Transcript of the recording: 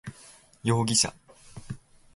容疑者